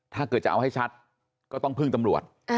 ถ้าเกิดจะเอาให้ชัดก็ต้องพึ่งตำรวจ